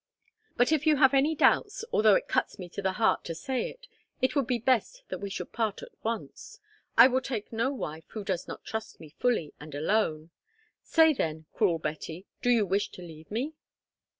But if you have any doubts, although it cuts me to the heart to say it, it would be best that we should part at once. I will take no wife who does not trust me fully and alone. Say then, cruel Betty, do you wish to leave me?"